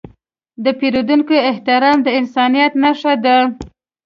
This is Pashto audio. د پیرودونکي احترام د انسانیت نښه ده.